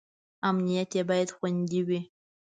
امنیت یې باید خوندي وي.